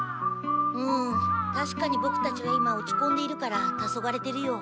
うんたしかにボクたちは今落ちこんでいるからたそがれてるよ。